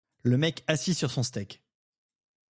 Le mec assis sur son steak.